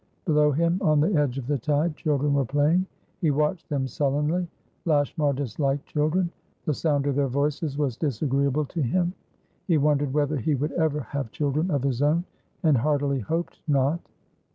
Below him, on the edge of the tide, children were playing; he watched them sullenly. Lashmar disliked children; the sound of their voices was disagreeable to him. He wondered whether he would ever have children of his own, and heartily hoped not.